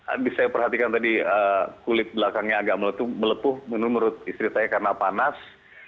habis saya perhatikan tadi kulit belakangnya agak melepuh menurut istri saya karena panas